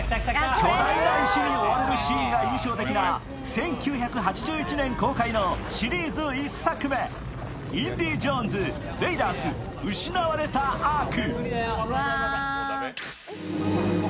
巨大な石に追われるシーンが印象的な１９８１年公開の「インディ・ジョーンズレイダース／失われたアーク」。